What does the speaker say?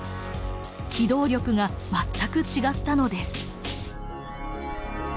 機動力が全く違ったのです。